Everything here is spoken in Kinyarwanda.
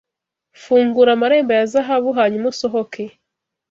Fungura amarembo ya zahabu, hanyuma usohoke